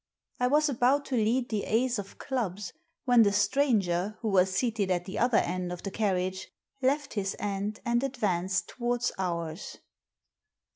I was about to lead the ace of clubs when the stranger, who was seated at the other end of the carriage, left his end and advanced towards ours.